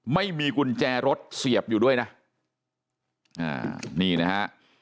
ไม่มีกุญแจรถเสียบอยู่ด้วยนะอ่านี่นะฮะ